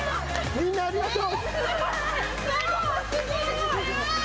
みんなありがとう。